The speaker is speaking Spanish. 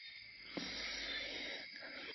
Más tarde empezó a impartir clases en su alma máter.